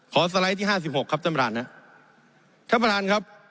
สไลด์ที่ห้าสิบหกครับท่านประธานนะท่านประธานครับ